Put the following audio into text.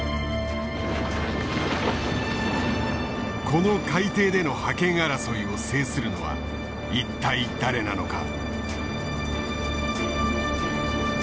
この海底での覇権争いを制するのは一体誰なのか？